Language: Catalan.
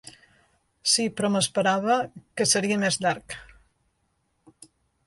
Sí, però m’esperava que seria més llarg.